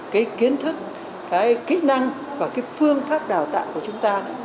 cái kiến thức cái kỹ năng và cái phương pháp đào tạo của chúng ta